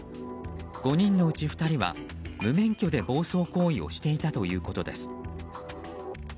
５人のうち２人は無免許で暴走行為をしていたということです。